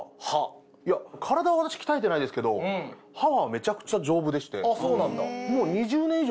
体は私鍛えてないですけど歯はめちゃくちゃ丈夫でして。